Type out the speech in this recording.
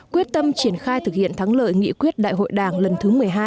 quyết tâm triển khai thực hiện thắng lợi nghị quyết đại hội đảng lần thứ một mươi hai